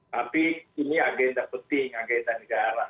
tapi ini agenda penting agenda negara